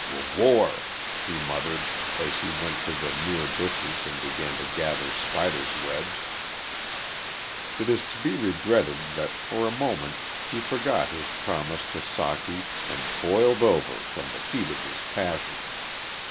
"W war!" he muttered, as he went to the near bushes and began to gather spiders' webs. It is to be regretted that for a moment he forgot his promise to Socky and "boiled over" from the heat of his passion.